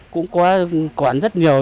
cũng có quản rất nhiều